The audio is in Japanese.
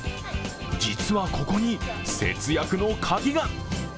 実はここに、節約のカギが！